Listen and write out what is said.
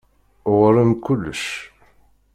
Ɣur-m kullec.